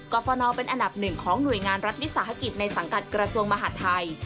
ฟนเป็นอันดับหนึ่งของหน่วยงานรัฐวิสาหกิจในสังกัดกระทรวงมหาดไทย